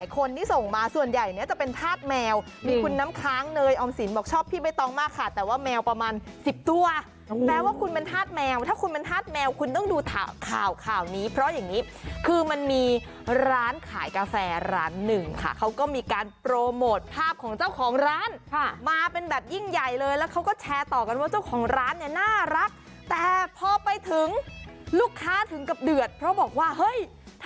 คนที่ส่งมาส่วนใหญ่เนี้ยจะเป็นธาตุแมวมีคุณน้ำค้างเนยออมสินบอกชอบพี่ไม่ต้องมากค่ะแต่ว่าแมวประมาณสิบตัวแม้ว่าคุณเป็นธาตุแมวถ้าคุณเป็นธาตุแมวคุณต้องดูข่าวข่าวนี้เพราะอย่างงี้คือมันมีร้านขายกาแฟร้านหนึ่งค่ะเขาก็มีการโปรโมทภาพของเจ้าของร้านค่ะมาเป็นแบบยิ่งใหญ